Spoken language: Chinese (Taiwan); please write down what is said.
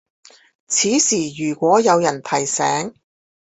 此時如果有人提醒